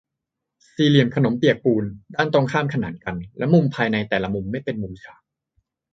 สี่เหลี่ยมขนมเปียกปูน ด้านตรงข้ามขนานกัน และมุมภายในแต่ละมุมไม่เป็นมุมฉาก